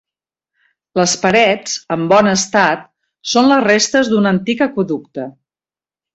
Les parets, en bon estat, són les restes d'un antic aqüeducte.